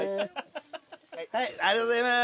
ありがとうございます。